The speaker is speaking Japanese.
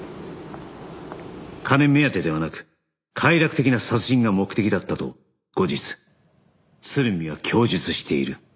金目当てではなく快楽的な殺人が目的だったと後日鶴見は供述している